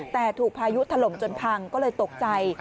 แต่ถูกพายุถล่มจนพังก็เลยตกใจ